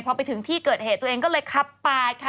พอไปถึงที่เกิดเหตุตัวเองก็เลยขับปาดค่ะ